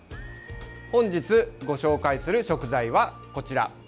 本日ご紹介する食材は、こちら。